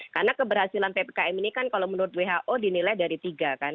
karena keberhasilan ppkm ini kan kalau menurut who dinilai dari tiga